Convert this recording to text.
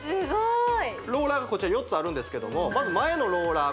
スゴいローラーがこちら４つあるんですけどもまず前のローラー